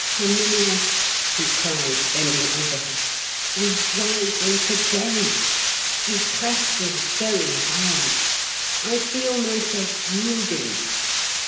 "Herminia," he cried, bending over her, "you drive me to bay. You press me very hard. I feel myself yielding.